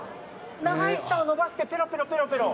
長い舌を伸ばしてペロペロペロペロ。